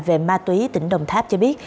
về ma túy tỉnh đồng tháp cho biết